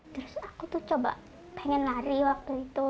terus aku tuh coba pengen lari waktu itu